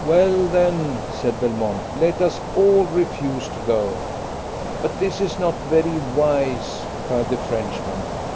"Well, then," said Belmont, "let us all refuse to go." "But this is not very wise," cried the Frenchman.